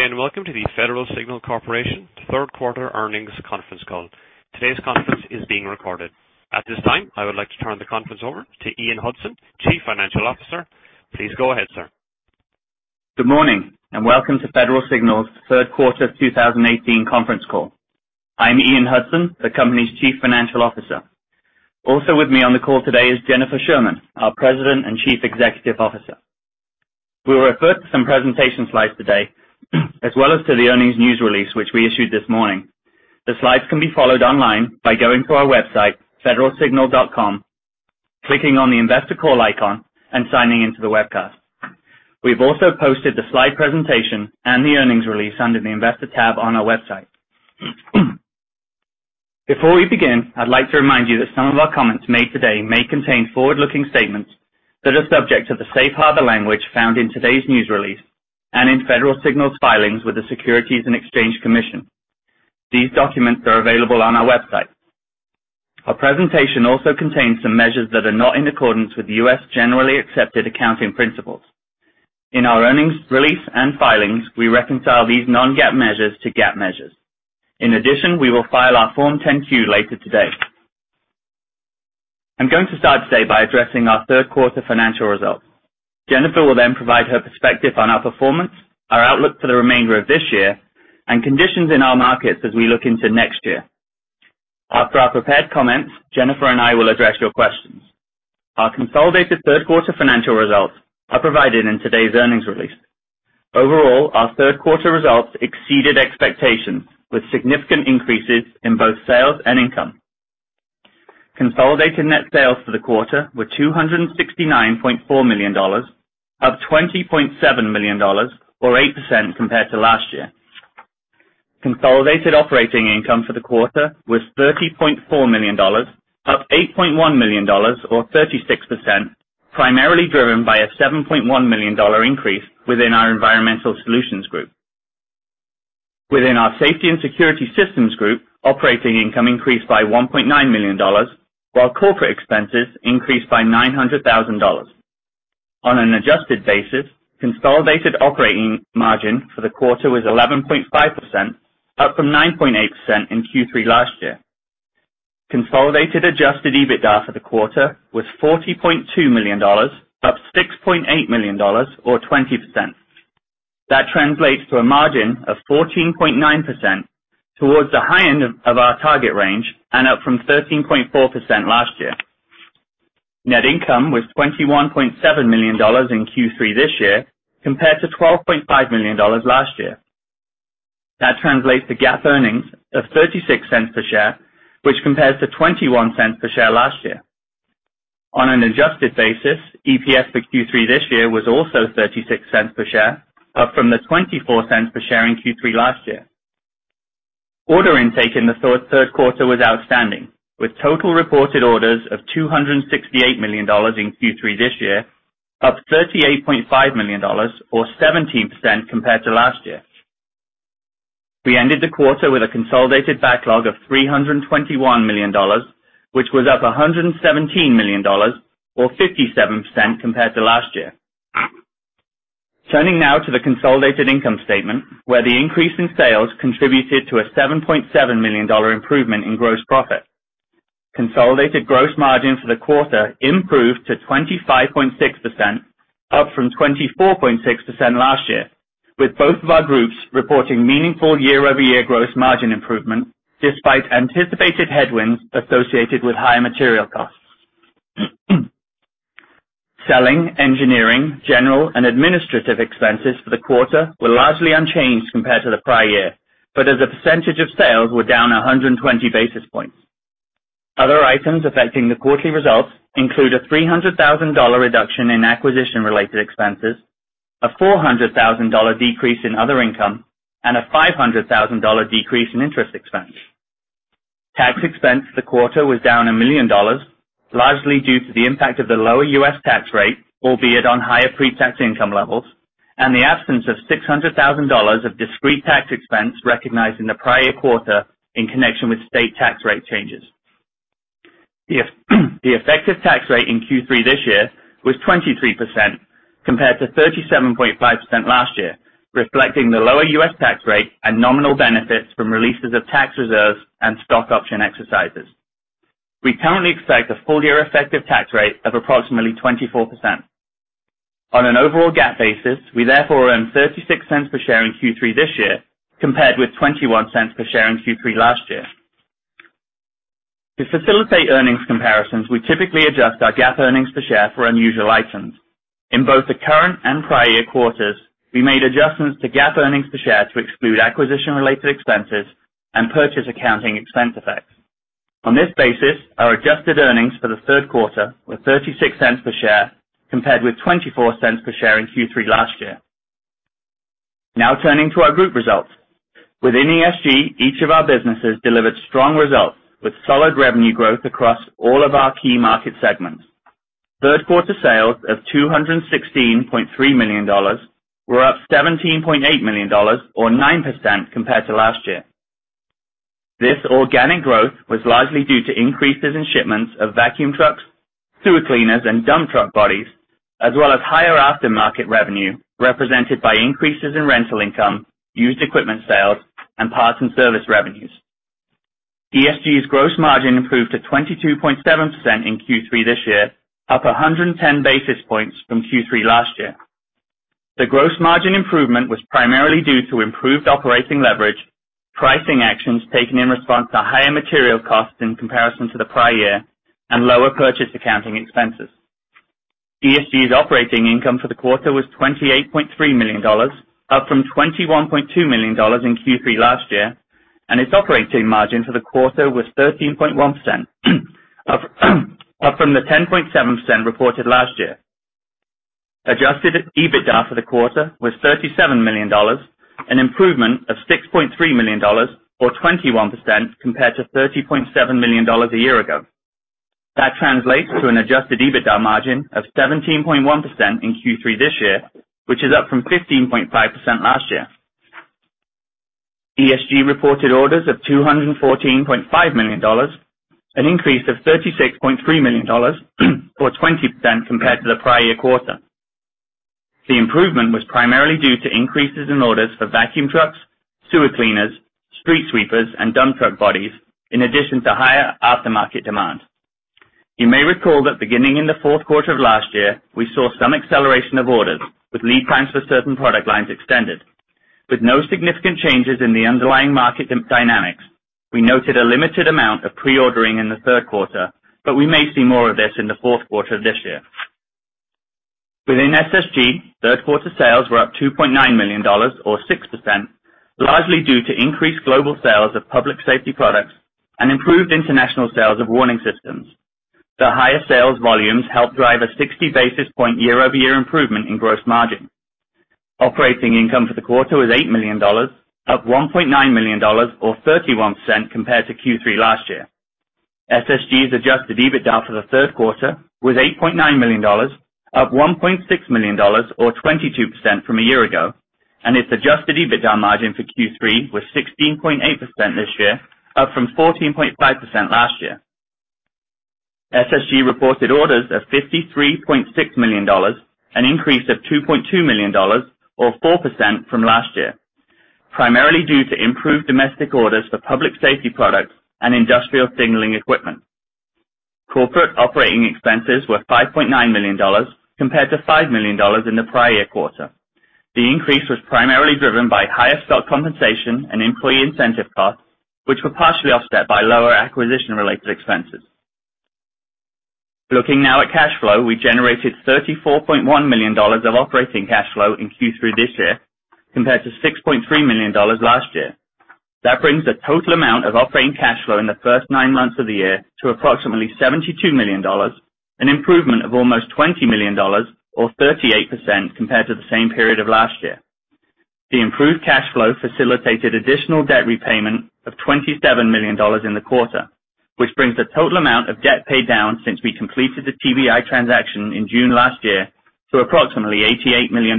Good day, and welcome to the Federal Signal Corporation third quarter earnings conference call. Today's conference is being recorded. At this time, I would like to turn the conference over to Ian Hudson, Chief Financial Officer. Please go ahead, sir. Good morning, welcome to Federal Signal's third quarter 2018 conference call. I'm Ian Hudson, the company's Chief Financial Officer. Also with me on the call today is Jennifer Sherman, our President and Chief Executive Officer. We will refer to some presentation slides today, as well as to the earnings news release, which we issued this morning. The slides can be followed online by going to our website, federalsignal.com, clicking on the investor call icon, and signing into the webcast. We've also posted the slide presentation and the earnings release under the investor tab on our website. Before we begin, I'd like to remind you that some of our comments made today may contain forward-looking statements that are subject to the safe harbor language found in today's news release and in Federal Signal's filings with the Securities and Exchange Commission. These documents are available on our website. Our presentation also contains some measures that are not in accordance with U.S. Generally Accepted Accounting Principles. In our earnings release and filings, we reconcile these non-GAAP measures to GAAP measures. In addition, we will file our Form 10-Q later today. I'm going to start today by addressing our third quarter financial results. Jennifer will then provide her perspective on our performance, our outlook for the remainder of this year, and conditions in our markets as we look into next year. After our prepared comments, Jennifer and I will address your questions. Our consolidated third quarter financial results are provided in today's earnings release. Overall, our third quarter results exceeded expectations, with significant increases in both sales and income. Consolidated net sales for the quarter were $269.4 million, up $20.7 million, or 8% compared to last year. Consolidated operating income for the quarter was $30.4 million, up $8.1 million or 36%, primarily driven by a $7.1 million increase within our Environmental Solutions Group. Within our Safety and Security Systems Group, operating income increased by $1.9 million, while corporate expenses increased by $900,000. On an adjusted basis, consolidated operating margin for the quarter was 11.5%, up from 9.8% in Q3 last year. Consolidated adjusted EBITDA for the quarter was $40.2 million, up $6.8 million or 20%. That translates to a margin of 14.9% towards the high end of our target range and up from 13.4% last year. Net income was $21.7 million in Q3 this year, compared to $12.5 million last year. That translates to GAAP earnings of $0.36 per share, which compares to $0.21 per share last year. On an adjusted basis, EPS for Q3 this year was also $0.36 per share, up from the $0.24 per share in Q3 last year. Order intake in the third quarter was outstanding, with total reported orders of $268 million in Q3 this year, up $38.5 million or 17% compared to last year. We ended the quarter with a consolidated backlog of $321 million, which was up $117 million or 57% compared to last year. Turning now to the consolidated income statement, where the increase in sales contributed to a $7.7 million improvement in gross profit. Consolidated gross margin for the quarter improved to 25.6%, up from 24.6% last year, with both of our groups reporting meaningful year-over-year gross margin improvement despite anticipated headwinds associated with higher material costs. Selling, engineering, general and administrative expenses for the quarter were largely unchanged compared to the prior year, as a percentage of sales were down 120 basis points. Other items affecting the quarterly results include a $300,000 reduction in acquisition-related expenses, a $400,000 decrease in other income, and a $500,000 decrease in interest expense. Tax expense for the quarter was down $1 million, largely due to the impact of the lower U.S. tax rate, albeit on higher pre-tax income levels, and the absence of $600,000 of discrete tax expense recognized in the prior quarter in connection with state tax rate changes. The effective tax rate in Q3 this year was 23% compared to 37.5% last year, reflecting the lower U.S. tax rate and nominal benefits from releases of tax reserves and stock option exercises. We currently expect a full-year effective tax rate of approximately 24%. On an overall GAAP basis, we therefore earned $0.36 per share in Q3 this year, compared with $0.21 per share in Q3 last year. To facilitate earnings comparisons, we typically adjust our GAAP earnings per share for unusual items. In both the current and prior year quarters, we made adjustments to GAAP earnings per share to exclude acquisition-related expenses and purchase accounting expense effects. On this basis, our adjusted earnings for the third quarter were $0.36 per share, compared with $0.24 per share in Q3 last year. Turning to our group results. Within ESG, each of our businesses delivered strong results with solid revenue growth across all of our key market segments. Third quarter sales of $216.3 million were up $17.8 million or 9% compared to last year. This organic growth was largely due to increases in shipments of vacuum trucks, sewer cleaners, and dump truck bodies, as well as higher aftermarket revenue represented by increases in rental income, used equipment sales, and parts and service revenues. ESG's gross margin improved to 22.7% in Q3 this year, up 110 basis points from Q3 last year. The gross margin improvement was primarily due to improved operating leverage, pricing actions taken in response to higher material costs in comparison to the prior year, and lower purchase accounting expenses. ESG's operating income for the quarter was $28.3 million, up from $21.2 million in Q3 last year, and its operating margin for the quarter was 13.1% up from the 10.7% reported last year. Adjusted EBITDA for the quarter was $37 million, an improvement of $6.3 million or 21% compared to $30.7 million a year ago. That translates to an adjusted EBITDA margin of 17.1% in Q3 this year, which is up from 15.5% last year. ESG reported orders of $214.5 million, an increase of $36.3 million or 20% compared to the prior year quarter. The improvement was primarily due to increases in orders for vacuum trucks, sewer cleaners, street sweepers, and dump truck bodies, in addition to higher aftermarket demand. You may recall that beginning in the fourth quarter of last year, we saw some acceleration of orders, with lead times for certain product lines extended. With no significant changes in the underlying market dynamics, we noted a limited amount of pre-ordering in the third quarter, but we may see more of this in the fourth quarter this year. Within SSG, third-quarter sales were up $2.9 million or 6%, largely due to increased global sales of public safety products and improved international sales of warning systems. The higher sales volumes helped drive a 60 basis point year-over-year improvement in gross margin. Operating income for the quarter was $8 million, up $1.9 million or 31% compared to Q3 last year. SSG's adjusted EBITDA for the third quarter was $8.9 million, up $1.6 million or 22% from a year ago, and its adjusted EBITDA margin for Q3 was 16.8% this year, up from 14.5% last year. SSG reported orders of $53.6 million, an increase of $2.2 million or 4% from last year, primarily due to improved domestic orders for public safety products and industrial signaling equipment. Corporate operating expenses were $5.9 million compared to $5 million in the prior quarter. The increase was primarily driven by higher stock compensation and employee incentive costs, which were partially offset by lower acquisition-related expenses. Looking now at cash flow, we generated $34.1 million of operating cash flow in Q3 this year, compared to $6.3 million last year. That brings the total amount of operating cash flow in the first nine months of the year to approximately $72 million, an improvement of almost $20 million or 38% compared to the same period of last year. The improved cash flow facilitated additional debt repayment of $27 million in the quarter, which brings the total amount of debt paid down since we completed the TBEI transaction in June last year to approximately $88 million.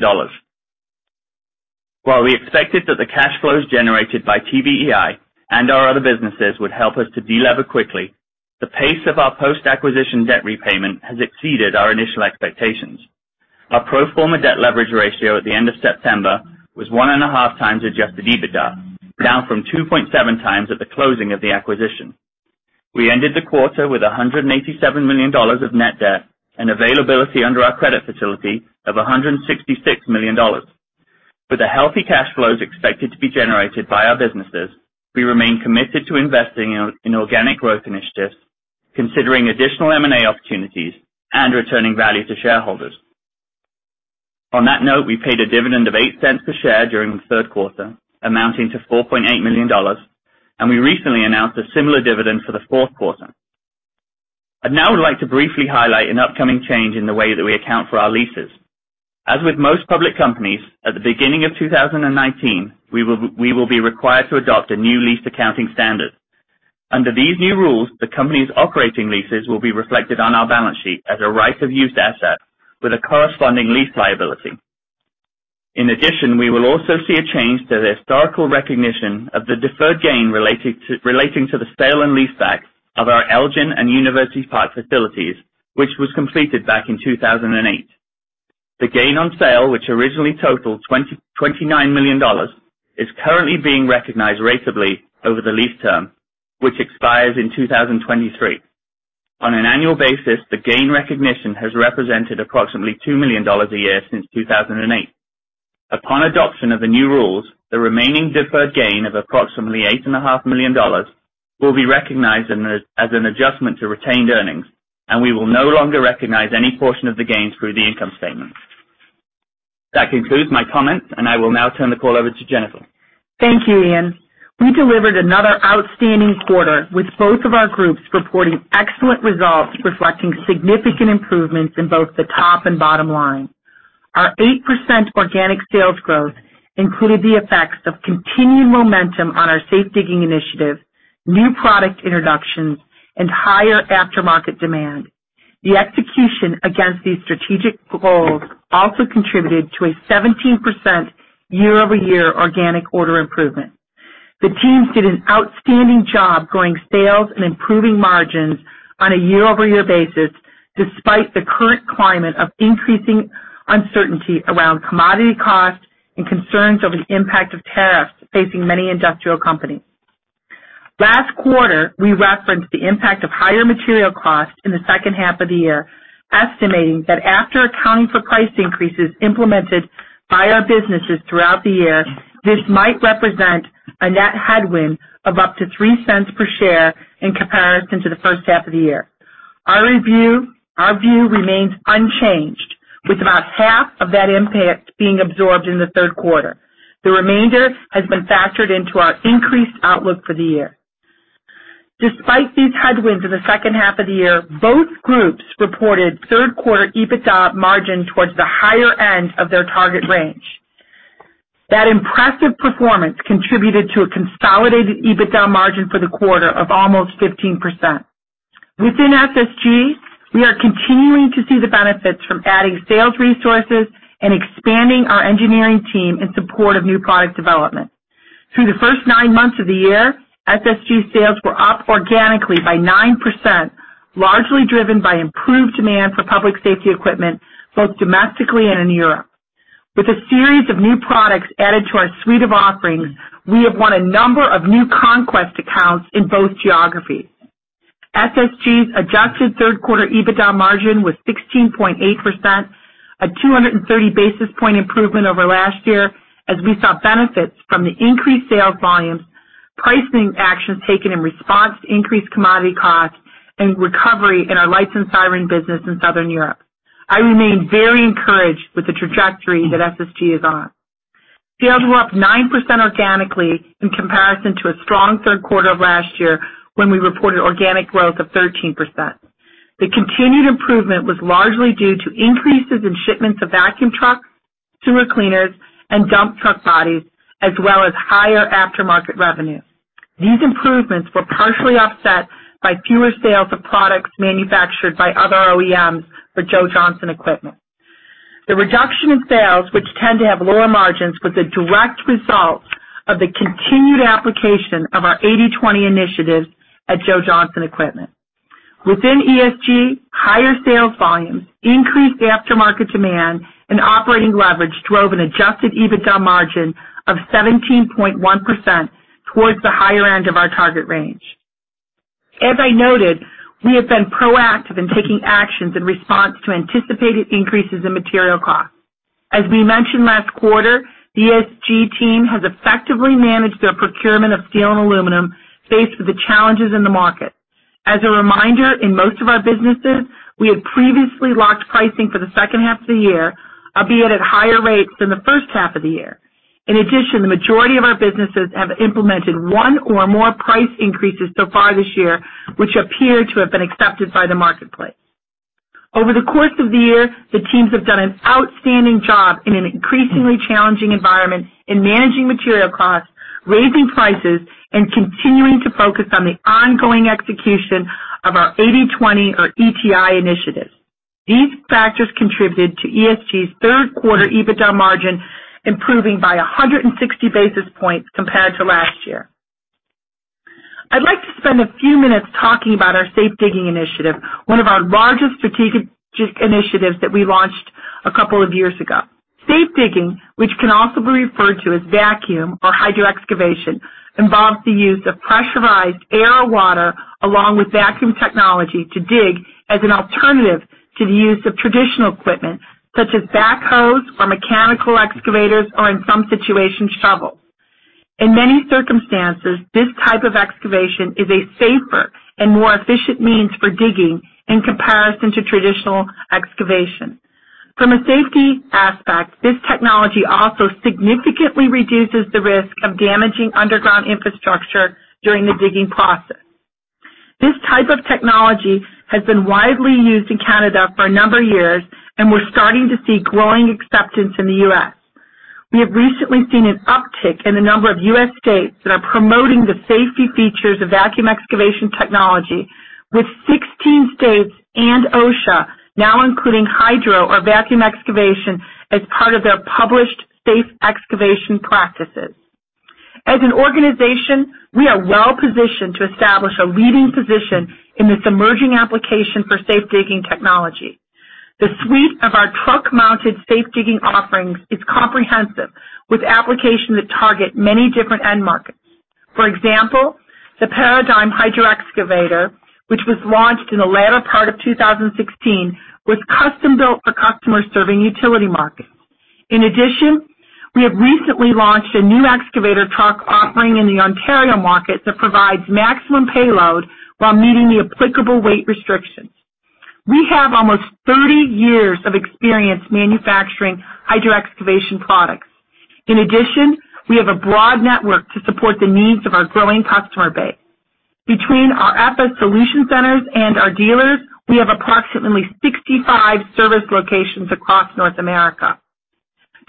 While we expected that the cash flows generated by TBEI and our other businesses would help us to delever quickly, the pace of our post-acquisition debt repayment has exceeded our initial expectations. Our pro forma debt leverage ratio at the end of September was one and a half times adjusted EBITDA, down from 2.7 times at the closing of the acquisition. We ended the quarter with $187 million of net debt and availability under our credit facility of $166 million. With the healthy cash flows expected to be generated by our businesses, we remain committed to investing in organic growth initiatives, considering additional M&A opportunities and returning value to shareholders. On that note, we paid a dividend of $0.08 per share during the third quarter, amounting to $4.8 million, and we recently announced a similar dividend for the fourth quarter. I'd now like to briefly highlight an upcoming change in the way that we account for our leases. As with most public companies, at the beginning of 2019, we will be required to adopt a new lease accounting standard. Under these new rules, the company's operating leases will be reflected on our balance sheet as a right-of-use asset with a corresponding lease liability. In addition, we will also see a change to the historical recognition of the deferred gain relating to the sale-leaseback of our Elgin and University Park facilities, which was completed back in 2008. The gain on sale, which originally totaled $29 million, is currently being recognized ratably over the lease term, which expires in 2023. On an annual basis, the gain recognition has represented approximately $2 million a year since 2008. Upon adoption of the new rules, the remaining deferred gain of approximately $8.5 million will be recognized as an adjustment to retained earnings, and we will no longer recognize any portion of the gains through the income statement. That concludes my comments, and I will now turn the call over to Jennifer. Thank you, Ian. We delivered another outstanding quarter with both of our groups reporting excellent results reflecting significant improvements in both the top and bottom line. Our 8% organic sales growth included the effects of continued momentum on our safe digging initiative, new product introductions, and higher aftermarket demand. The execution against these strategic goals also contributed to a 17% year-over-year organic order improvement. The teams did an outstanding job growing sales and improving margins on a year-over-year basis, despite the current climate of increasing uncertainty around commodity costs and concerns over the impact of tariffs facing many industrial companies. Last quarter, we referenced the impact of higher material costs in the second half of the year, estimating that after accounting for price increases implemented by our businesses throughout the year, this might represent a net headwind of up to $0.03 per share in comparison to the first half of the year. Our view remains unchanged, with about half of that impact being absorbed in the third quarter. The remainder has been factored into our increased outlook for the year. Despite these headwinds in the second half of the year, both groups reported third quarter EBITDA margin towards the higher end of their target range. That impressive performance contributed to a consolidated EBITDA margin for the quarter of almost 15%. Within SSG, we are continuing to see the benefits from adding sales resources and expanding our engineering team in support of new product development. Through the first nine months of the year, SSG sales were up organically by 9%, largely driven by improved demand for public safety equipment, both domestically and in Europe. With a series of new products added to our suite of offerings, we have won a number of new conquest accounts in both geographies. SSG's adjusted third quarter EBITDA margin was 16.8%, a 230 basis point improvement over last year as we saw benefits from the increased sales volumes, pricing actions taken in response to increased commodity costs, and recovery in our lights and siren business in Southern Europe. I remain very encouraged with the trajectory that SSG is on. Sales were up 9% organically in comparison to a strong third quarter of last year, when we reported organic growth of 13%. The continued improvement was largely due to increases in shipments of vacuum trucks, sewer cleaners, and dump truck bodies, as well as higher aftermarket revenue. These improvements were partially offset by fewer sales of products manufactured by other OEMs for Joe Johnson Equipment. The reduction in sales, which tend to have lower margins, was a direct result of the continued application of our 80/20 initiatives at Joe Johnson Equipment. Within ESG, higher sales volumes, increased aftermarket demand, and operating leverage drove an adjusted EBITDA margin of 17.1% towards the higher end of our target range. As I noted, we have been proactive in taking actions in response to anticipated increases in material costs. As we mentioned last quarter, the ESG team has effectively managed their procurement of steel and aluminum faced with the challenges in the market. As a reminder, in most of our businesses, we had previously locked pricing for the second half of the year, albeit at higher rates than the first half of the year. In addition, the majority of our businesses have implemented one or more price increases so far this year, which appear to have been accepted by the marketplace. Over the course of the year, the teams have done an outstanding job in an increasingly challenging environment in managing material costs, raising prices, and continuing to focus on the ongoing execution of our 80/20 or ETI initiatives. These factors contributed to ESG's third quarter EBITDA margin improving by 160 basis points compared to last year. I'd like to spend a few minutes talking about our safe digging initiative, one of our largest strategic initiatives that we launched a couple of years ago. Safe digging, which can also be referred to as vacuum or hydro-excavation, involves the use of pressurized air or water along with vacuum technology to dig as an alternative to the use of traditional equipment such as backhoes or mechanical excavators, or in some situations, shovels. In many circumstances, this type of excavation is a safer and more efficient means for digging in comparison to traditional excavation. From a safety aspect, this technology also significantly reduces the risk of damaging underground infrastructure during the digging process. This type of technology has been widely used in Canada for a number of years, and we're starting to see growing acceptance in the U.S. We have recently seen an uptick in the number of U.S. states that are promoting the safety features of hydro- or vacuum excavation technology, with 16 states and OSHA now including hydro- or vacuum excavation as part of their published safe excavation practices. As an organization, we are well positioned to establish a leading position in this emerging application for safe digging technology. The suite of our truck-mounted safe digging offerings is comprehensive, with applications that target many different end markets. For example, the Paradigm Hydroexcavator, which was launched in the latter part of 2016, was custom-built for customers serving utility markets. In addition, we have recently launched a new excavator truck offering in the Ontario market that provides maximum payload while meeting the applicable weight restrictions. We have almost 30 years of experience manufacturing hydro-excavation products. In addition, we have a broad network to support the needs of our growing customer base. Between our FS Solutions centers and our dealers, we have approximately 65 service locations across North America.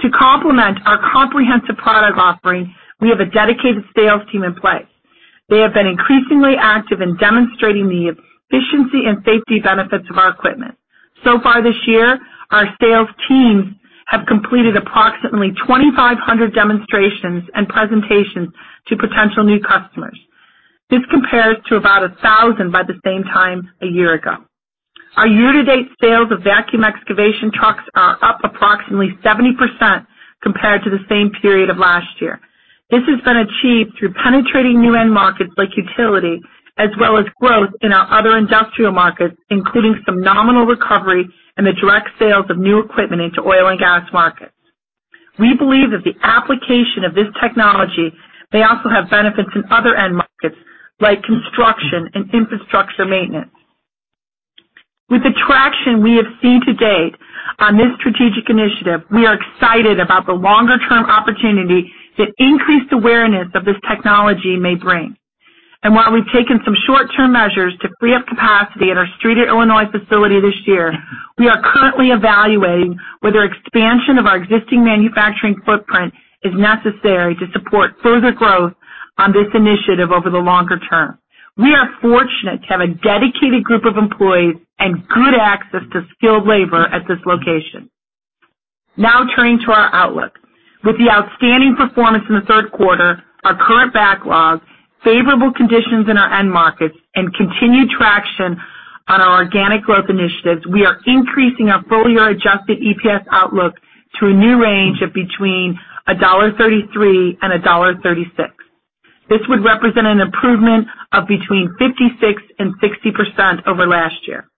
To complement our comprehensive product offering, we have a dedicated sales team in place. They have been increasingly active in demonstrating the efficiency and safety benefits of our equipment. So far this year, our sales teams have completed approximately 2,500 demonstrations and presentations to potential new customers. This compares to about 1,000 by the same time a year ago. Our year-to-date sales of vacuum excavation trucks are up approximately 70% compared to the same period of last year. This has been achieved through penetrating new end markets like utility, as well as growth in our other industrial markets, including some nominal recovery in the direct sales of new equipment into oil and gas markets. We believe that the application of this technology may also have benefits in other end markets like construction and infrastructure maintenance. With the traction we have seen to date on this strategic initiative, we are excited about the longer-term opportunity that increased awareness of this technology may bring. While we've taken some short-term measures to free up capacity at our Streator, Illinois, facility this year, we are currently evaluating whether expansion of our existing manufacturing footprint is necessary to support further growth on this initiative over the longer term. We are fortunate to have a dedicated group of employees and good access to skilled labor at this location. Now turning to our outlook. With the outstanding performance in the third quarter, our current backlog, favorable conditions in our end markets, and continued traction on our organic growth initiatives, we are increasing our full-year adjusted EPS outlook to a new range of between $1.33 and $1.36. This would represent an improvement of between 56% and 60% over last year.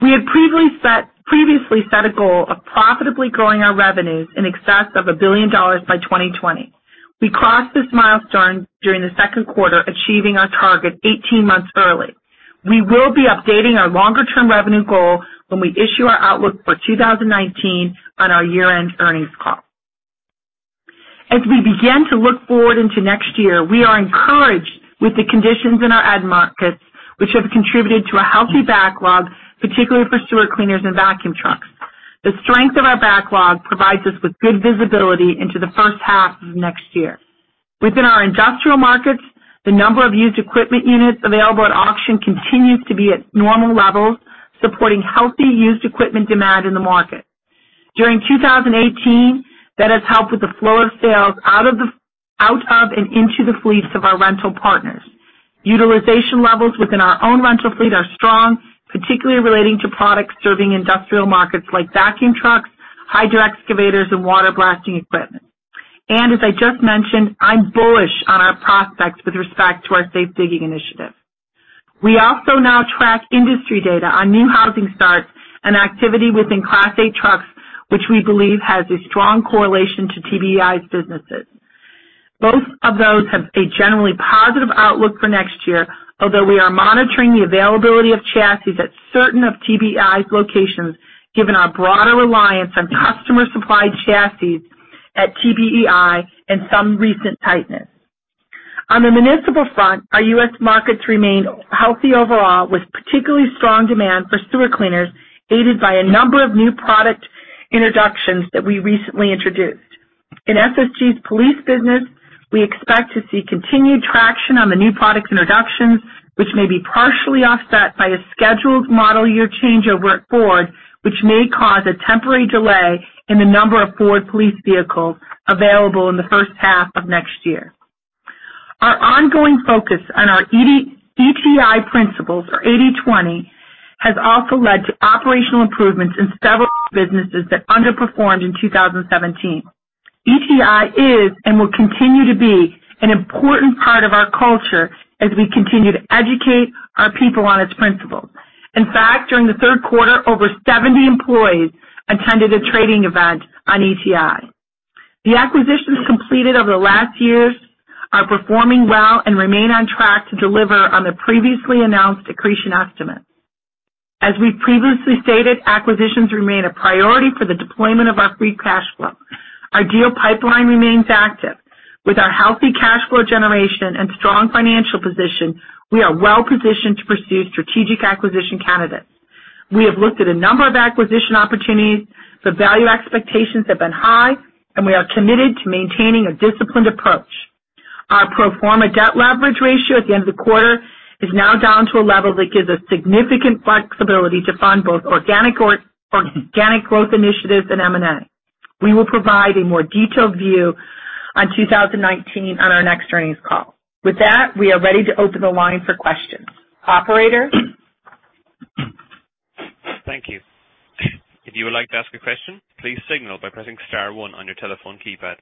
We had previously set a goal of profitably growing our revenues in excess of $1 billion by 2020. We crossed this milestone during the second quarter, achieving our target 18 months early. We will be updating our longer-term revenue goal when we issue our outlook for 2019 on our year-end earnings call. As we begin to look forward into next year, we are encouraged with the conditions in our end markets, which have contributed to a healthy backlog, particularly for sewer cleaners and vacuum trucks. The strength of our backlog provides us with good visibility into the first half of next year. Within our industrial markets, the number of used equipment units available at auction continues to be at normal levels, supporting healthy used equipment demand in the market. During 2018, that has helped with the flow of sales out of and into the fleets of our rental partners. Utilization levels within our own rental fleet are strong, particularly relating to products serving industrial markets like vacuum trucks, hydro-excavators, and water blasting equipment. As I just mentioned, I'm bullish on our prospects with respect to our Safe Digging initiative. We also now track industry data on new housing starts and activity within Class 8 trucks, which we believe has a strong correlation to TBEI's businesses. Both of those have a generally positive outlook for next year, although we are monitoring the availability of chassis at certain of TBEI's locations, given our broader reliance on customer-supplied chassis at TBEI and some recent tightness. On the municipal front, our U.S. markets remain healthy overall, with particularly strong demand for sewer cleaners, aided by a number of new product introductions that we recently introduced. In SSG's police business, we expect to see continued traction on the new product introductions, which may be partially offset by a scheduled model year changeover at Ford, which may cause a temporary delay in the number of Ford police vehicles available in the first half of next year. Our ongoing focus on our ETI principles or 80/20, has also led to operational improvements in several businesses that underperformed in 2017. ETI is and will continue to be an important part of our culture as we continue to educate our people on its principles. In fact, during the third quarter, over 70 employees attended a training event on ETI. The acquisitions completed over the last years are performing well and remain on track to deliver on the previously announced accretion estimate. As we previously stated, acquisitions remain a priority for the deployment of our free cash flow. Our deal pipeline remains active. With our healthy cash flow generation and strong financial position, we are well-positioned to pursue strategic acquisition candidates. We have looked at a number of acquisition opportunities, the value expectations have been high, We are committed to maintaining a disciplined approach. Our pro forma debt leverage ratio at the end of the quarter is now down to a level that gives us significant flexibility to fund both organic growth initiatives and M&A. We will provide a more detailed view on 2019 on our next earnings call. With that, we are ready to open the line for questions. Operator? Thank you. If you would like to ask a question, please signal by pressing star one on your telephone keypad.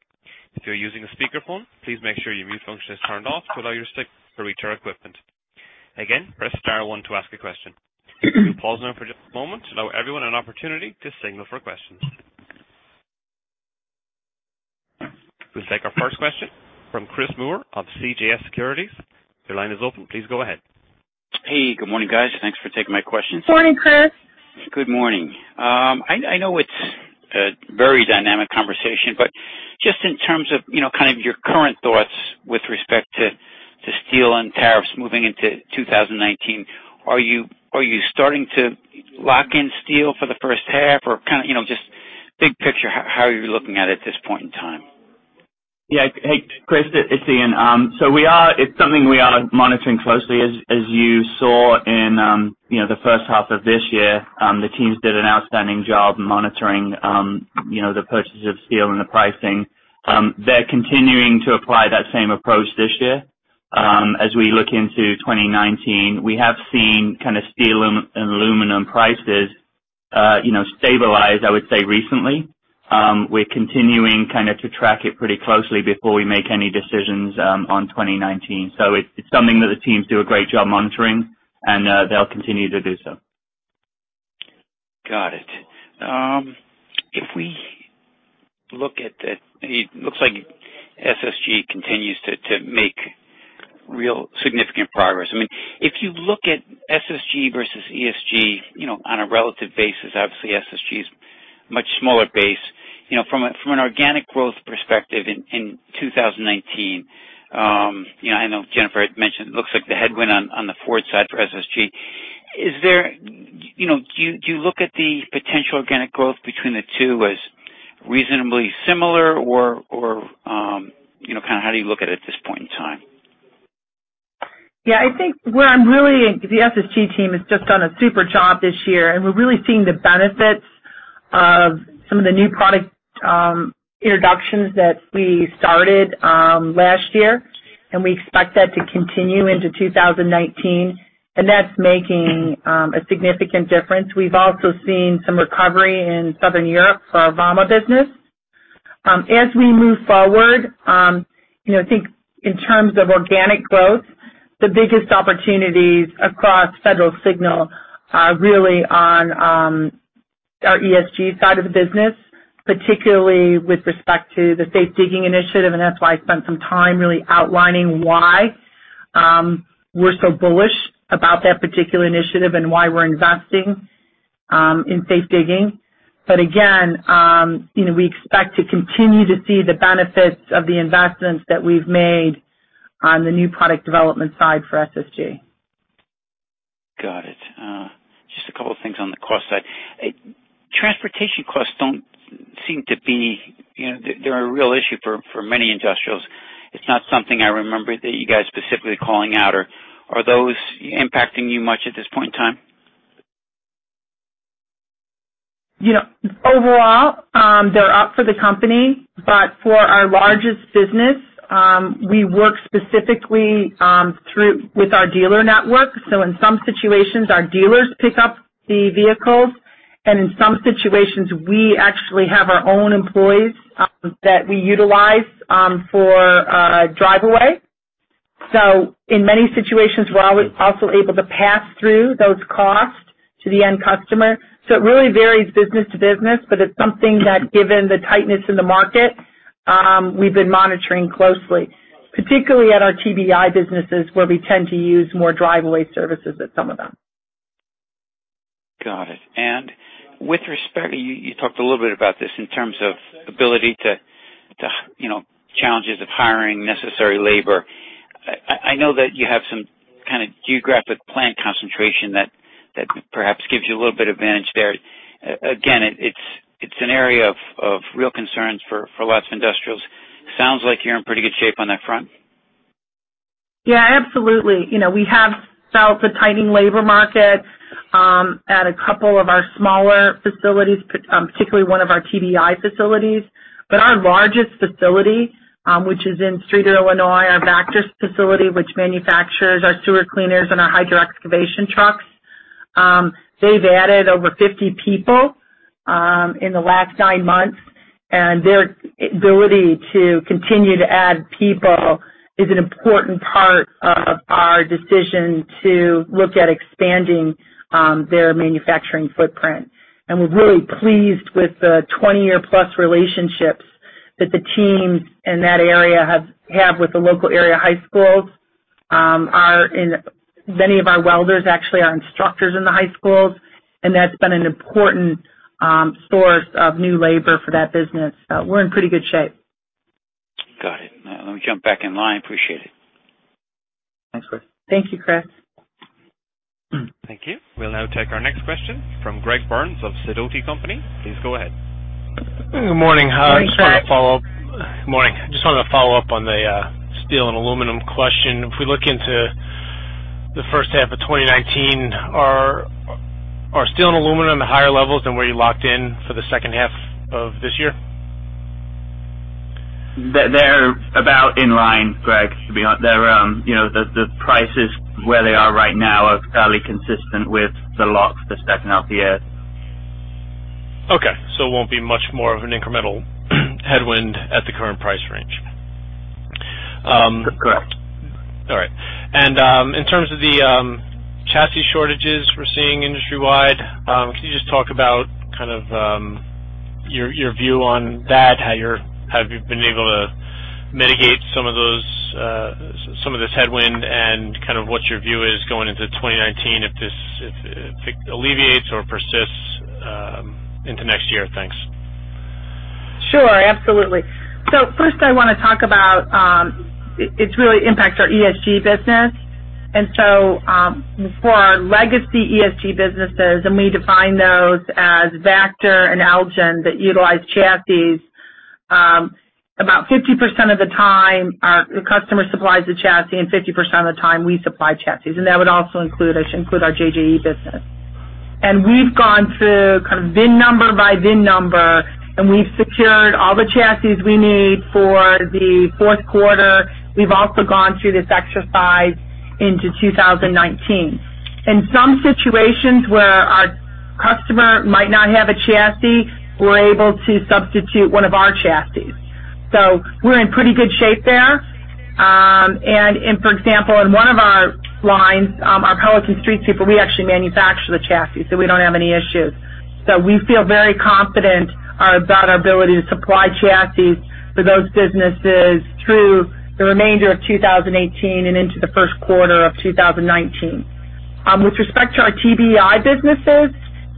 If you're using a speakerphone, please make sure your mute function is turned off to allow your [signal] to reach our equipment. Again, press star one to ask a question. We'll pause now for just a moment to allow everyone an opportunity to signal for questions. We'll take our first question from Chris Moore of CJS Securities. Your line is open. Please go ahead. Good morning, guys. Thanks for taking my questions. Good morning. I know it's a very dynamic conversation, but Just in terms of your current thoughts with respect to steel and tariffs moving into 2019, are you starting to lock in steel for the first half? Or just big picture, how are you looking at it at this point in time? Yeah. Hey, Chris, it's Ian. It's something we are monitoring closely. As you saw in the first half of this year, the teams did an outstanding job monitoring the purchase of steel and the pricing. They're continuing to apply that same approach this year. As we look into 2019, we have seen steel and aluminum prices stabilize, I would say recently. We're continuing to track it pretty closely before we make any decisions on 2019. It's something that the teams do a great job monitoring, and they'll continue to do so. Got it. It looks like SSG continues to make real significant progress. If you look at SSG versus ESG on a relative basis, obviously SSG is a much smaller base. From an organic growth perspective in 2019, I know Jennifer had mentioned, it looks like the headwind on the Ford side for SSG. Do you look at the potential organic growth between the two as reasonably similar, or how do you look at it at this point in time? Yeah, I think the SSG team has just done a super job this year, and we're really seeing the benefits of some of the new product introductions that we started last year, and we expect that to continue into 2019. That's making a significant difference. We've also seen some recovery in Southern Europe for our Vama business. As we move forward, I think in terms of organic growth, the biggest opportunities across Federal Signal are really on our ESG side of the business, particularly with respect to the safe digging initiative, and that's why I spent some time really outlining why we're so bullish about that particular initiative and why we're investing in safe digging. Again, we expect to continue to see the benefits of the investments that we've made on the new product development side for SSG. Got it. Just a couple of things on the cost side. Transportation costs don't seem to be a real issue for many industrials. It's not something I remember that you guys specifically calling out or are those impacting you much at this point in time? Overall, they're up for the company, but for our largest business, we work specifically with our dealer network. In some situations, our dealers pick up the vehicles, and in some situations, we actually have our own employees that we utilize for driveaway. In many situations, we're also able to pass through those costs to the end customer. It really varies business to business, but it's something that given the tightness in the market, we've been monitoring closely, particularly at our TBEI businesses, where we tend to use more driveaway services at some of them. Got it. With respect, you talked a little bit about this in terms of ability to challenges of hiring necessary labor. I know that you have some kind of geographic plant concentration that perhaps gives you a little bit of advantage there. Again, it's an area of real concerns for lots of industrials. Sounds like you're in pretty good shape on that front. Yeah, absolutely. We have felt the tightening labor market, at a couple of our smaller facilities, particularly one of our TBEI facilities. Our largest facility, which is in Streator, Illinois, our Vactor facility, which manufactures our sewer cleaners and our hydro-excavation trucks. They've added over 50 people in the last nine months, and their ability to continue to add people is an important part of our decision to look at expanding their manufacturing footprint. We're really pleased with the 20-year plus relationships that the teams in that area have with the local area high schools. Many of our welders actually are instructors in the high schools, and that's been an important source of new labor for that business. We're in pretty good shape. Got it. Let me jump back in line. Appreciate it. Thanks, Chris. Thank you, Chris. Thank you. We'll now take our next question from Greg Burns of Sidoti & Company. Please go ahead. Good morning. Morning, Greg. Just wanted to follow up. Morning. Just wanted to follow up on the steel and aluminum question. If we look into the first half of 2019, are steel and aluminum at higher levels than where you locked in for the second half of this year? They're about in line, Greg, to be honest. The prices where they are right now are fairly consistent with the locks for the second half of the year. Okay. It won't be much more of an incremental headwind at the current price range. Correct. In terms of the chassis shortages we're seeing industry-wide, can you just talk about your view on that, how you've been able to mitigate some of this headwind and what your view is going into 2019, if it alleviates or persists into next year. Thanks. Sure. Absolutely. First I want to talk about, it really impacts our ESG business. For our legacy ESG businesses, and we define those as Vactor and Elgin that utilize chassis. About 50% of the time our customer supplies the chassis, and 50% of the time we supply chassis. That would also include our JJE business. We've gone through kind of VIN number by VIN number, and we've secured all the chassis we need for the fourth quarter. We've also gone through this exercise into 2019. In some situations where our customer might not have a chassis, we're able to substitute one of our chassis. We're in pretty good shape there. For example, in one of our lines, our Pelican Street sweeper, we actually manufacture the chassis, so we don't have any issues. We feel very confident about our ability to supply chassis for those businesses through the remainder of 2018 and into the first quarter of 2019. With respect to our TBEI businesses,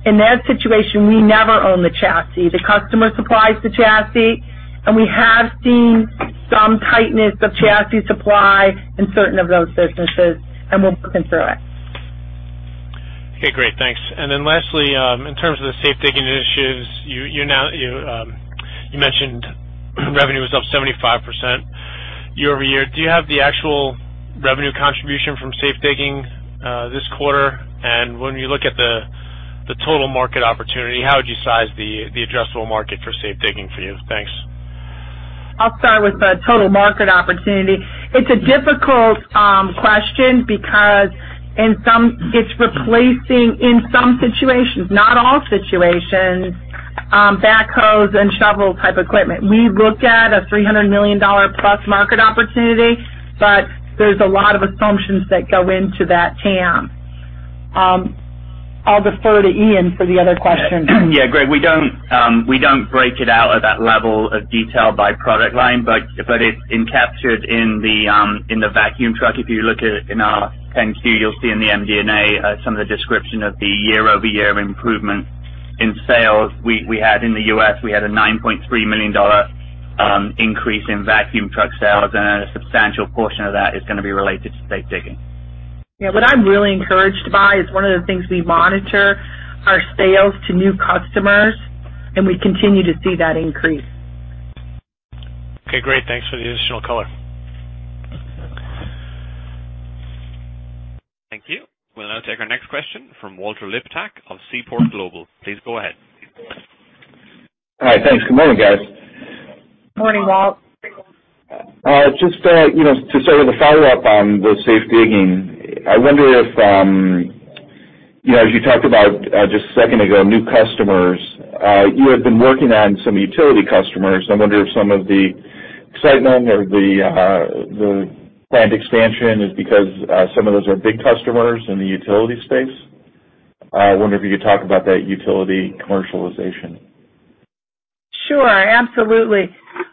in their situation, we never own the chassis. The customer supplies the chassis, we have seen some tightness of chassis supply in certain of those businesses, we're working through it. Okay, great. Thanks. Lastly, in terms of the safe digging issues, you mentioned revenue was up 75% year-over-year. Do you have the actual revenue contribution from safe digging this quarter? When you look at the total market opportunity, how would you size the addressable market for safe digging for you? Thanks. I'll start with the total market opportunity. It's a difficult question because it's replacing, in some situations, not all situations, backhoes and shovel type equipment. We look at a $300 million plus market opportunity, there's a lot of assumptions that go into that TAM. I'll defer to Ian for the other question. Yeah. Greg. We don't break it out at that level of detail by product line, it's captured in the vacuum truck. If you look at it in our 10-Q, you'll see in the MD&A some of the description of the year-over-year improvement in sales we had in the U.S. We had a $9.3 million increase in vacuum truck sales, a substantial portion of that is going to be related to safe digging. Yeah. What I'm really encouraged by is one of the things we monitor our sales to new customers, we continue to see that increase. Okay, great. Thanks for the additional color. Thank you. We'll now take our next question from Walter Liptak of Seaport Global. Please go ahead. Hi. Thanks. Good morning, guys. Morning, Walt. Just to start with a follow-up on the safe digging. I wonder if, as you talked about just a second ago, new customers. You have been working on some utility customers. I wonder if some of the excitement or the planned expansion is because some of those are big customers in the utility space. I wonder if you could talk about that utility commercialization. Sure. Absolutely.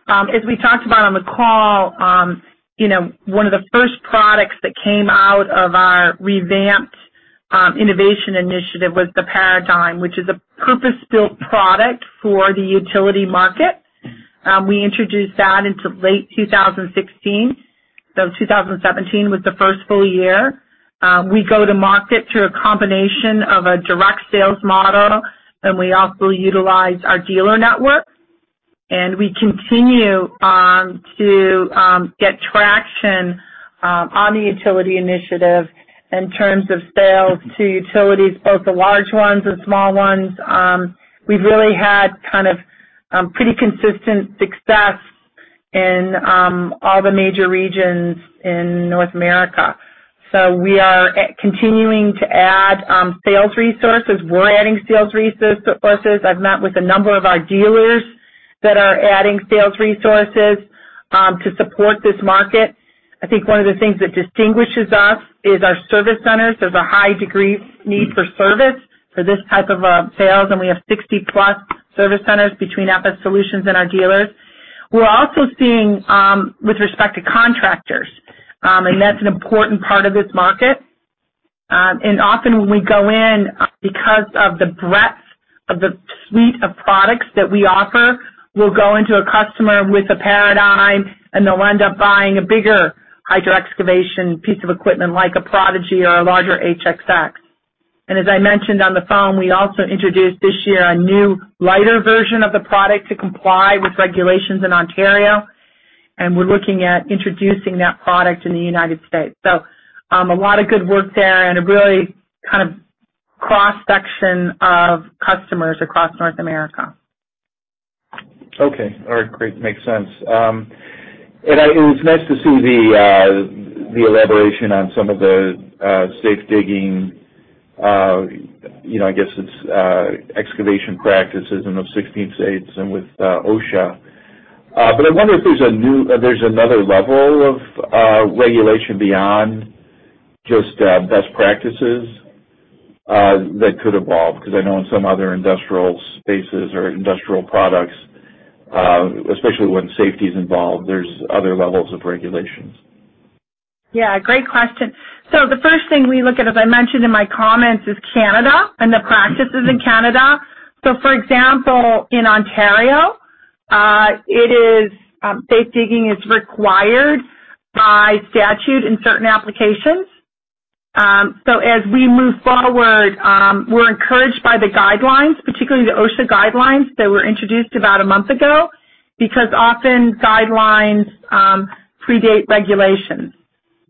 As we talked about on the call, one of the first products that came out of our revamped innovation initiative was the Paradigm, which is a purpose-built product for the utility market. We introduced that into late 2016, so 2017 was the first full year. We go to market through a combination of a direct sales model, we also utilize our dealer network. We continue to get traction on the utility initiative in terms of sales to utilities, both the large ones and small ones. We've really had kind of pretty consistent success in all the major regions in North America. We are continuing to add sales resources. We're adding sales resources. I've met with a number of our dealers that are adding sales resources to support this market. I think one of the things that distinguishes us is our service centers. There's a high degree need for service for this type of sales, we have 60-plus service centers between FS Solutions and our dealers. We're also seeing with respect to contractors, that's an important part of this market. Often when we go in, because of the breadth of the suite of products that we offer, we'll go into a customer with a Paradigm, they'll end up buying a bigger hydro-excavation piece of equipment like a Prodigy or a larger HXX. As I mentioned on the phone, we also introduced this year a new lighter version of the product to comply with regulations in Ontario, we're looking at introducing that product in the United States. A lot of good work there and a really kind of cross-section of customers across North America. Okay. All right, great. Makes sense. It was nice to see the elaboration on some of the safe digging, I guess it's excavation practices and those 16 states and with OSHA. I wonder if there's another level of regulation beyond just best practices that could evolve, because I know in some other industrial spaces or industrial products, especially when safety's involved, there's other levels of regulations. Yeah, great question. The first thing we look at, as I mentioned in my comments, is Canada and the practices in Canada. For example, in Ontario, safe digging is required by statute in certain applications. As we move forward, we're encouraged by the guidelines, particularly the OSHA guidelines that were introduced about a month ago, because often guidelines predate regulations.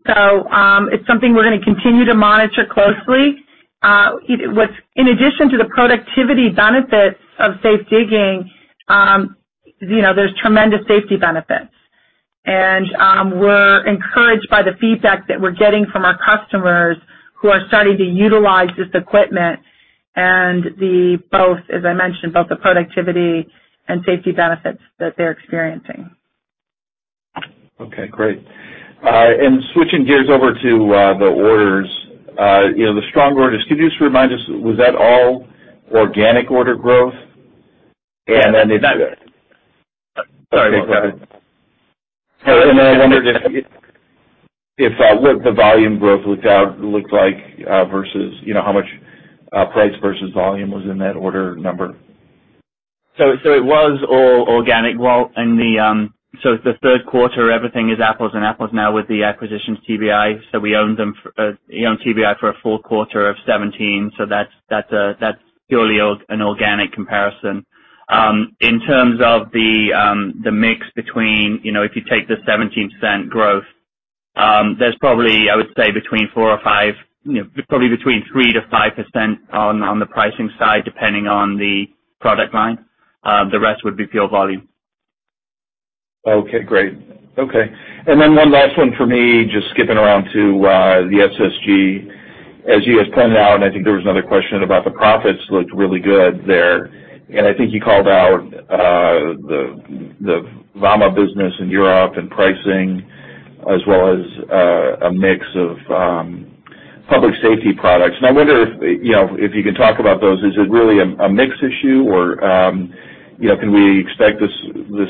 It's something we're going to continue to monitor closely. In addition to the productivity benefits of safe digging, there's tremendous safety benefits. We're encouraged by the feedback that we're getting from our customers who are starting to utilize this equipment and both, as I mentioned, the productivity and safety benefits that they're experiencing. Okay, great. Switching gears over to the orders. The strong orders, could you just remind us, was that all organic order growth? Yeah. they-- Sorry, go ahead. I wondered if what the volume growth looked like versus how much price versus volume was in that order number. It was all organic. The third quarter, everything is apples and apples now with the acquisition of TBEI. We owned TBEI for a full quarter of 2017. That's purely an organic comparison. In terms of the mix between, if you take the 17% growth, there's probably, I would say, between 3% to 5% on the pricing side, depending on the product line. The rest would be pure volume. Okay, great. Okay. One last one for me, just skipping around to the SSG. As you had pointed out, and I think there was another question about the profits, looked really good there. I think you called out the Vama business in Europe and pricing, as well as a mix of public safety products. I wonder if you can talk about those. Is it really a mix issue or can we expect this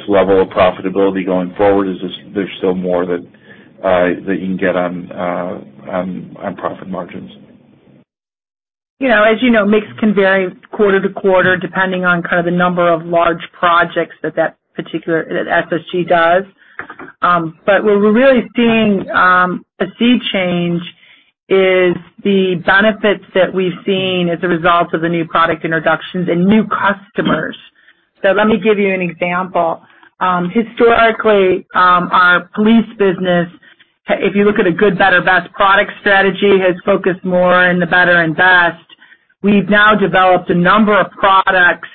level of profitability going forward? Is there still more that you can get on profit margins? As you know, mix can vary quarter-to-quarter, depending on kind of the number of large projects that particular SSG does. Where we're really seeing a sea change is the benefits that we've seen as a result of the new product introductions and new customers. Let me give you an example. Historically, our police business, if you look at a good, better, best product strategy, has focused more on the better and best. We've now developed a number of products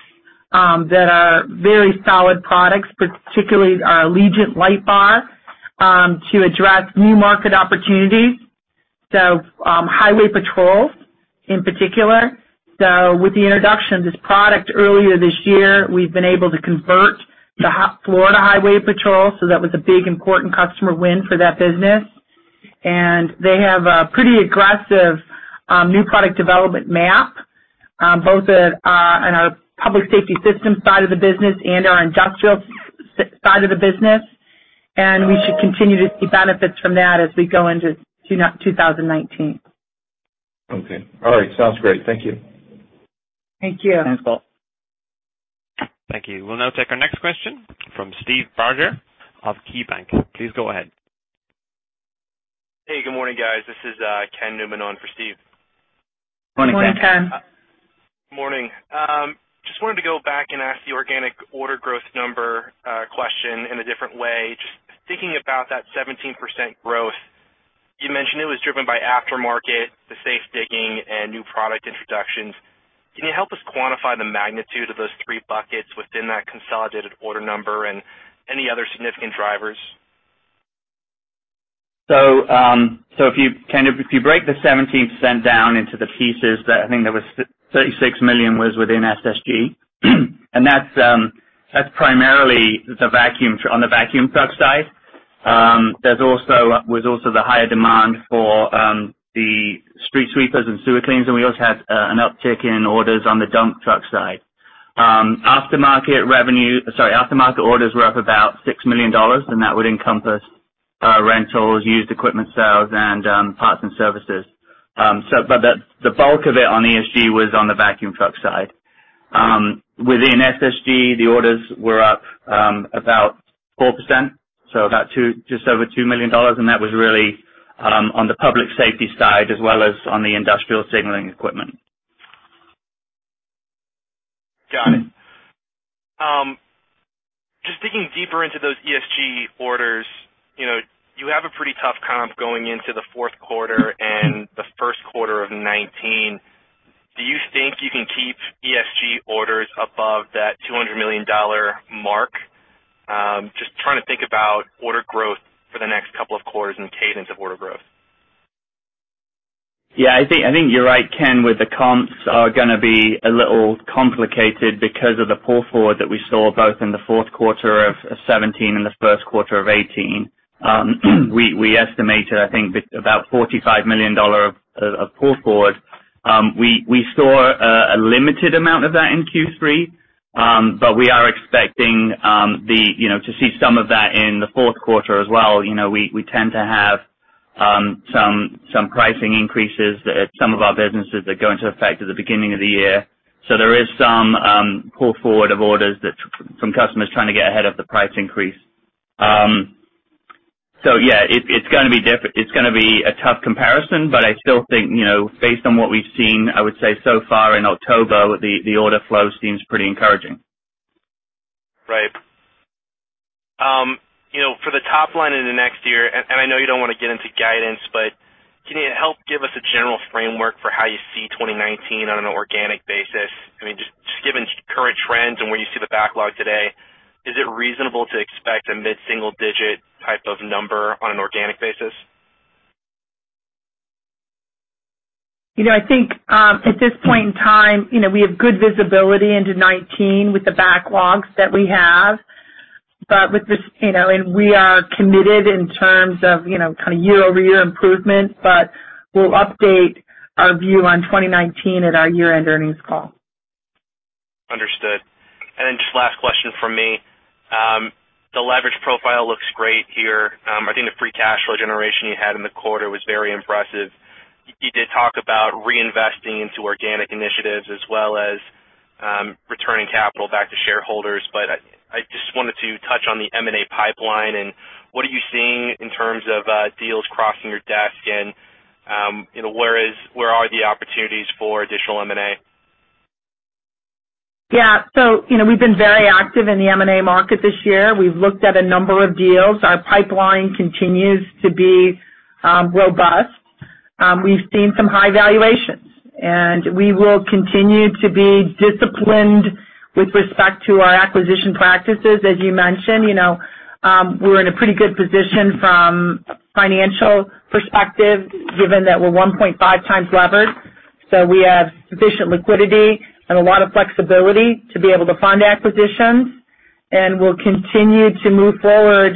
that are very solid products, particularly our Allegiant light bar, to address new market opportunities. Highway patrols in particular. With the introduction of this product earlier this year, we've been able to convert the Florida Highway Patrol, that was a big important customer win for that business. They have a pretty aggressive new product development map, both on our public safety systems side of the business and our industrial side of the business. We should continue to see benefits from that as we go into 2019. Okay. All right. Sounds great. Thank you. Thank you. Thanks, Paul. Thank you. We'll now take our next question from Steve Barger of KeyBanc. Please go ahead. Hey, good morning, guys. This is Ken Newman on for Steve. Morning, Ken. Morning, Ken. Morning. Just wanted to go back and ask the organic order growth number question in a different way. Just thinking about that 17% growth, you mentioned it was driven by aftermarket, the safe digging, and new product introductions. Can you help us quantify the magnitude of those three buckets within that consolidated order number and any other significant drivers? Ken, if you break the 17% down into the pieces, I think there was $36 million was within SSG, and that is primarily on the vacuum truck side. There was also the higher demand for the street sweepers and sewer cleaners, and we also had an uptick in orders on the dump truck side. Aftermarket revenue Sorry. Aftermarket orders were up about $6 million, and that would encompass rentals, used equipment sales, and parts and services. The bulk of it on ESG was on the vacuum truck side. Within SSG, the orders were up about 4%, so about just over $2 million, and that was really on the public safety side as well as on the industrial signaling equipment. Got it. Just digging deeper into those ESG orders, you have a pretty tough comp going into the fourth quarter and the first quarter of 2019. Do you think you can keep ESG orders above that $200 million mark? Just trying to think about order growth for the next couple of quarters and cadence of order growth. I think you are right, Ken, with the comps are going to be a little complicated because of the pull forward that we saw both in the fourth quarter of 2017 and the first quarter of 2018. We estimated, I think, about $45 million of pull forward. We saw a limited amount of that in Q3, but we are expecting to see some of that in the fourth quarter as well. We tend to have some pricing increases at some of our businesses that go into effect at the beginning of the year. There is some pull forward of orders from customers trying to get ahead of the price increase. It is going to be a tough comparison, I still think, based on what we have seen, I would say so far in October, the order flow seems pretty encouraging. Right. For the top line in the next year, I know you do not want to get into guidance, can you help give us a general framework for how you see 2019 on an organic basis? I mean, just given current trends and where you see the backlog today, is it reasonable to expect a mid-single digit type of number on an organic basis? I think at this point in time, we have good visibility into 2019 with the backlogs that we have. We are committed in terms of year-over-year improvement, but we'll update our view on 2019 at our year-end earnings call. Understood. Just last question from me. The leverage profile looks great here. I think the free cash flow generation you had in the quarter was very impressive. You did talk about reinvesting into organic initiatives as well as returning capital back to shareholders, but I just wanted to touch on the M&A pipeline and what are you seeing in terms of deals crossing your desk and where are the opportunities for additional M&A? Yeah. We've been very active in the M&A market this year. We've looked at a number of deals. Our pipeline continues to be robust. We've seen some high valuations, and we will continue to be disciplined with respect to our acquisition practices. As you mentioned, we're in a pretty good position from a financial perspective given that we're 1.5 times levered. We have sufficient liquidity and a lot of flexibility to be able to fund acquisitions, we'll continue to move forward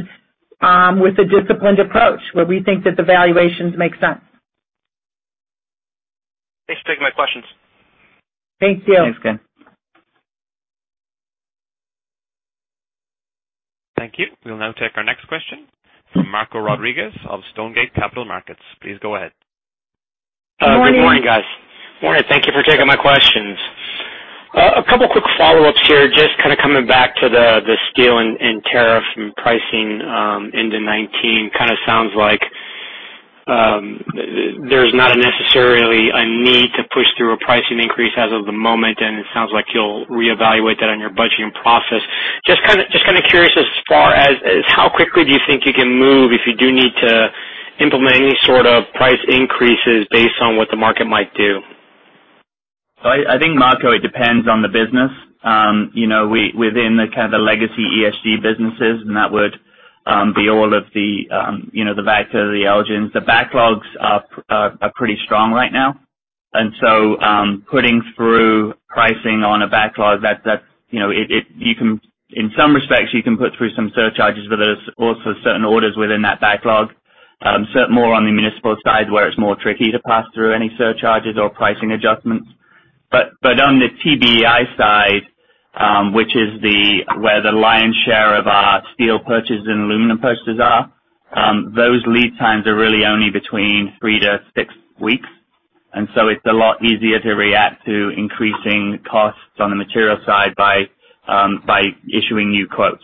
with a disciplined approach where we think that the valuations make sense. Thanks for taking my questions. Thank you. Thanks, Ken. Thank you. We'll now take our next question from Marco Rodriguez of Stonegate Capital Markets. Please go ahead. Good morning. Good morning, guys. Morning. Thank you for taking my questions. A couple quick follow-ups here, just kind of coming back to the steel and tariff and pricing into 2019. Kind of sounds like there's not necessarily a need to push through a pricing increase as of the moment, and it sounds like you'll reevaluate that on your budgeting process. Just kind of curious as far as how quickly do you think you can move if you do need to implement any sort of price increases based on what the market might do? I think, Marco, it depends on the business. Within the kind of the legacy ESG businesses, that would be all of the Vactor, the Elgin. The backlogs are pretty strong right now. So, putting through pricing on a backlog, in some respects, you can put through some surcharges, there's also certain orders within that backlog, more on the municipal side, where it's more tricky to pass through any surcharges or pricing adjustments. On the TBEI side, which is where the lion's share of our steel purchases and aluminum purchases are, those lead times are really only between three to six weeks. So it's a lot easier to react to increasing costs on the material side by issuing new quotes.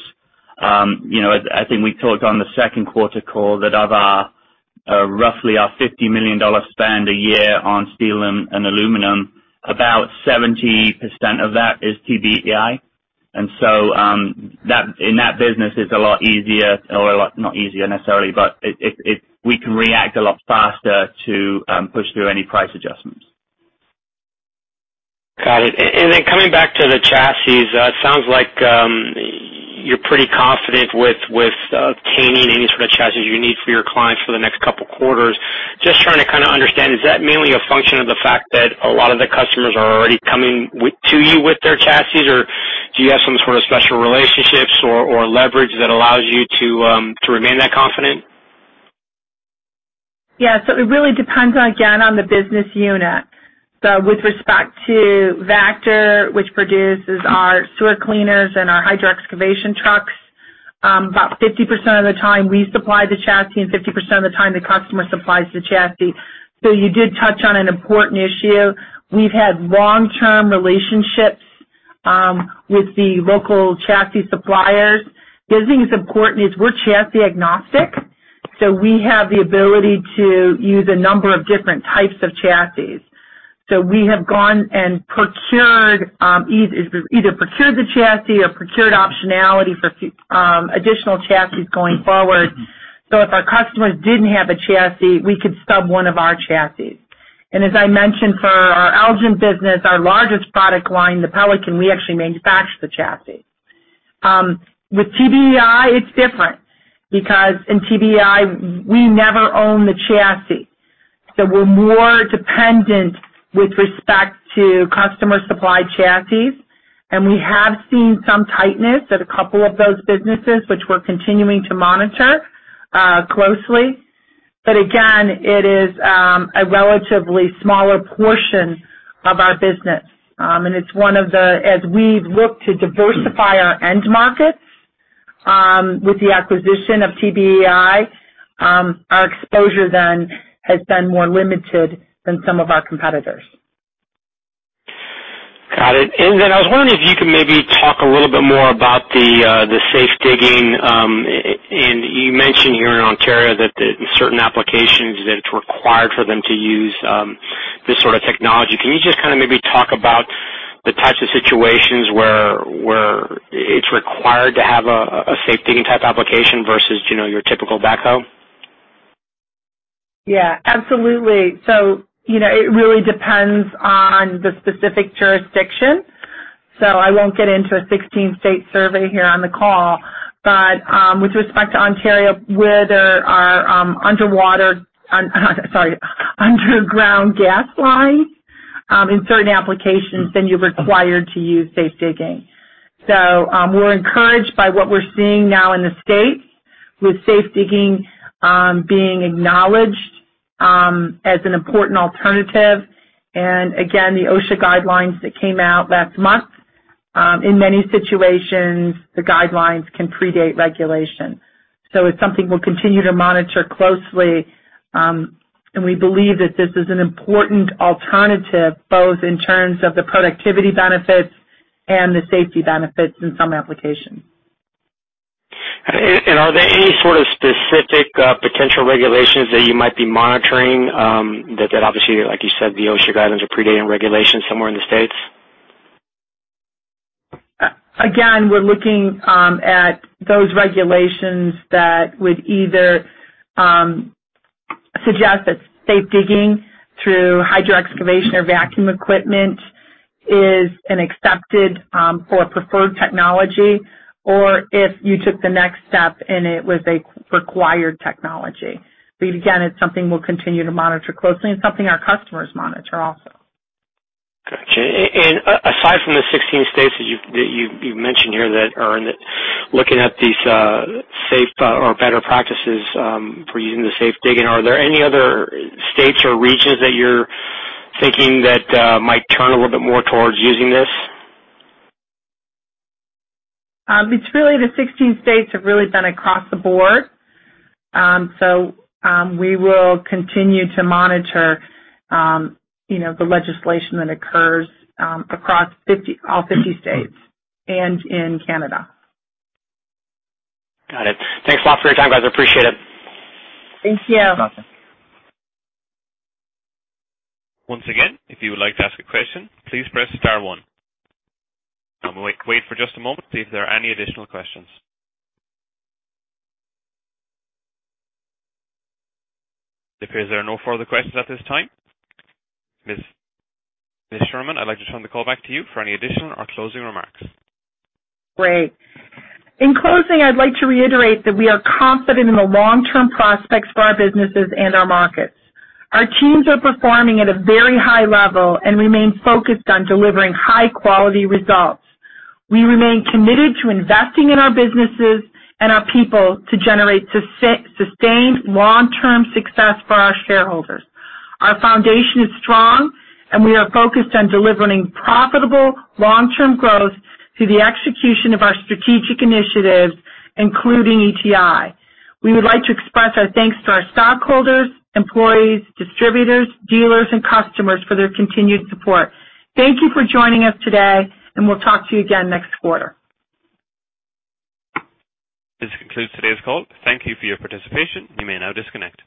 I think we talked on the second quarter call that of roughly our $50 million spend a year on steel and aluminum, about 70% of that is TBEI. So, in that business it's a lot easier, or not easier necessarily, but we can react a lot faster to push through any price adjustments. Got it. Coming back to the chassis, it sounds like you're pretty confident with obtaining any sort of chassis you need for your clients for the next couple quarters. Just trying to kind of understand, is that mainly a function of the fact that a lot of the customers are already coming to you with their chassis, or do you have some sort of special relationships or leverage that allows you to remain that confident? Yeah. It really depends again, on the business unit. With respect to Vactor, which produces our sewer cleaners and our hydro-excavation trucks, about 50% of the time we supply the chassis and 50% of the time the customer supplies the chassis. You did touch on an important issue. We've had long-term relationships with the local chassis suppliers. The other thing that's important is we're chassis agnostic, so we have the ability to use a number of different types of chassis. We have gone and either procured the chassis or procured optionality for additional chassis going forward. If our customers didn't have a chassis, we could sub one of our chassis. As I mentioned, for our Elgin business, our largest product line, the Pelican, we actually manufacture the chassis. With TBEI it's different because in TBEI we never own the chassis. We're more dependent with respect to customer supply chassis. And we have seen some tightness at a couple of those businesses, which we're continuing to monitor closely. Again, it is a relatively smaller portion of our business. As we've looked to diversify our end markets with the acquisition of TBEI, our exposure then has been more limited than some of our competitors. Got it. I was wondering if you could maybe talk a little bit more about the safe digging. You mentioned here in Ontario that in certain applications, that it's required for them to use this sort of technology. Can you just kind of maybe talk about the types of situations where it's required to have a safe digging-type application versus your typical backhoe? Yeah, absolutely. It really depends on the specific jurisdiction. I won't get into a 16-state survey here on the call. With respect to Ontario, where there are underwater, sorry, underground gas lines, in certain applications, you're required to use safe digging. We're encouraged by what we're seeing now in the States with safe digging being acknowledged as an important alternative. Again, the OSHA guidelines that came out last month. In many situations, the guidelines can predate regulation. It's something we'll continue to monitor closely. We believe that this is an important alternative, both in terms of the productivity benefits and the safety benefits in some applications. Are there any sort of specific potential regulations that you might be monitoring, that obviously, like you said, the OSHA guidelines are predating regulations somewhere in the States? Again, we're looking at those regulations that would either suggest that safe digging through hydro-excavation or vacuum equipment is an accepted or preferred technology, or if you took the next step and it was a required technology. Again, it's something we'll continue to monitor closely and something our customers monitor also. Gotcha. Aside from the 16 states that you've mentioned here that are looking at these safe or better practices for using the safe digging, are there any other states or regions that you're thinking that might turn a little bit more towards using this? It's really the 16 states have really been across the board. We will continue to monitor the legislation that occurs across all 50 states and in Canada. Got it. Thanks a lot for your time, guys. I appreciate it. Thank you. No problem. Once again, if you would like to ask a question, please press star one. I'm going to wait for just a moment to see if there are any additional questions. It appears there are no further questions at this time. Ms. Sherman, I'd like to turn the call back to you for any additional or closing remarks. Great. In closing, I'd like to reiterate that we are confident in the long-term prospects for our businesses and our markets. Our teams are performing at a very high level and remain focused on delivering high-quality results. We remain committed to investing in our businesses and our people to generate sustained long-term success for our shareholders. Our foundation is strong, and we are focused on delivering profitable long-term growth through the execution of our strategic initiatives, including ETI. We would like to express our thanks to our stockholders, employees, distributors, dealers, and customers for their continued support. Thank you for joining us today, and we'll talk to you again next quarter. This concludes today's call. Thank you for your participation. You may now disconnect.